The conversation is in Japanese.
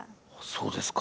そうですか。